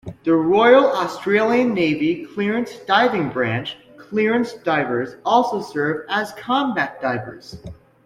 The Royal Australian Navy Clearance Diving Branch clearance divers also serve as combat divers.